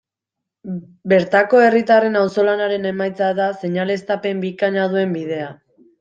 Bertako herritarren auzolanaren emaitza da seinaleztapen bikaina duen bidea.